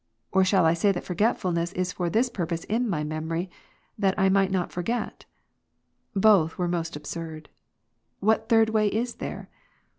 or shall I say that forgetfulness is for this purpose in my memory, that I might not forget ? Both were most absurd. What third way is there